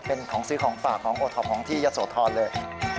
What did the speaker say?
เป็นของซื้อของฝากของโอท็อปของที่ยะโสธรเลย